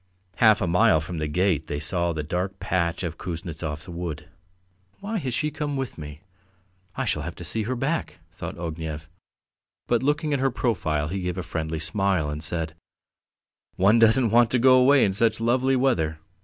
Half a mile from the gate they saw the dark patch of Kuznetsov's wood. "Why has she come with me? I shall have to see her back," thought Ognev, but looking at her profile he gave a friendly smile and said: "One doesn't want to go away in such lovely weather.